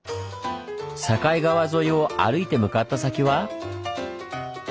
境川沿いを歩いて向かった先は。